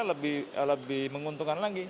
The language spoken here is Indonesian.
lebih menguntungkan lagi